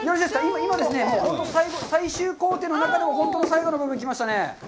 今ね、本当に最終工程の中でも本当の最後の部分になりました。